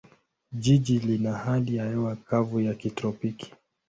Jiji lina hali ya hewa kavu ya kitropiki.